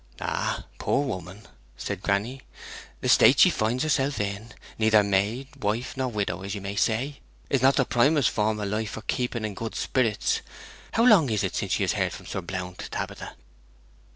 'Ah, poor woman!' said granny. 'The state she finds herself in neither maid, wife, nor widow, as you may say is not the primest form of life for keeping in good spirits. How long is it since she has heard from Sir Blount, Tabitha?'